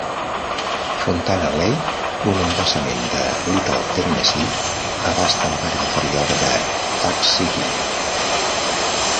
Fontana Lake, un embassament de Little Tennessee, abasta la part inferior de Tucksegee.